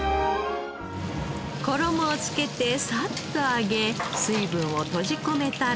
衣を付けてサッと揚げ水分を閉じ込めたら。